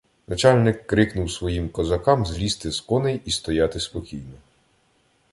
Начальник крикнув своїм "козакам" злізти з коней і стояти спокійно.